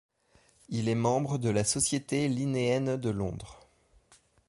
Il est membre de la Société linnéenne de Londres.